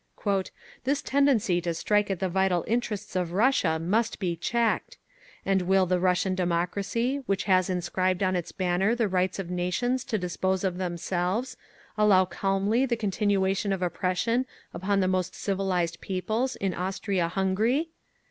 "This tendency to strike at the vital interests of Russia must be checked…. "And will the Russian democracy, which has inscribed on its banner the rights of nations to dispose of themselves, allow calmly the continuation of oppression upon the most civilised peoples (in Austria Hungary)?